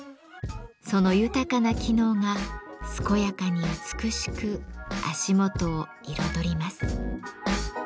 その豊かな機能が健やかに美しく足元を彩ります。